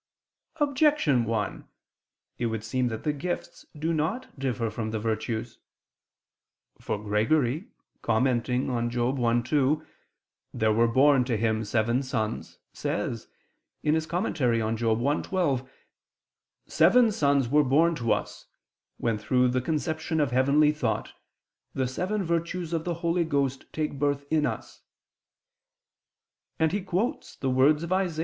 Objection 1: It would seem that the gifts do not differ from the virtues. For Gregory commenting on Job 1:2, "There were born to him seven sons," says (Moral. i, 12): "Seven sons were born to us, when through the conception of heavenly thought, the seven virtues of the Holy Ghost take birth in us": and he quotes the words of Isa.